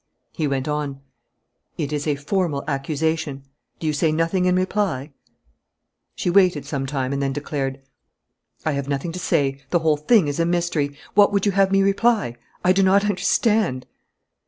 He went on: "It is a formal accusation. Do you say nothing in reply?" She waited some time and then declared: "I have nothing to say. The whole thing is a mystery. What would you have me reply? I do not understand!"